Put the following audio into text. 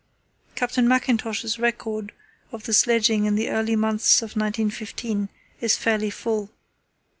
Captain Mackintosh's record of the sledging in the early months of 1915 is fairly full.